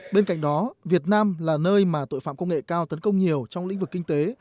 bên cạnh đó việt nam là nơi mà tội phạm công nghệ cao tấn công nhiều trong lĩnh vực kinh tế